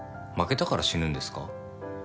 負けたから死ぬんですか？